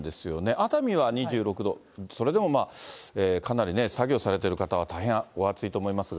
熱海は２６度、それでもまあ、かなりね、作業されてる方は大変お暑いと思いますが。